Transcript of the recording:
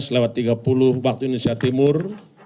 lewat tiga puluh waktu indonesia timur